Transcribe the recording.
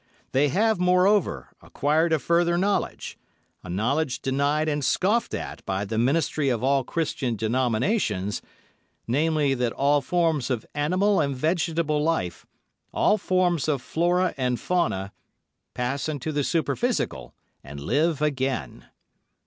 They have, moreover, acquired a further knowledge—a knowledge denied and scoffed at by the ministry of all Christian denominations—namely that all forms of animal and vegetable life, all forms of flora and fauna, pass into the superphysical, and live again.